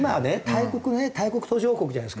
大国ね大国途上国じゃないですか。